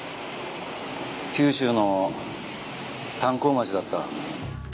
九州の炭鉱町だった。